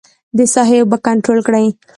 د ساحې اوبه کنترول کړي.